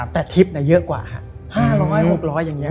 แต่ทิพย์เยอะกว่า๕๐๐๖๐๐อย่างนี้